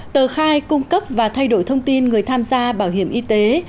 tờ khai cung cấp và thay đổi thông tin người tham gia bảo hiểm y tế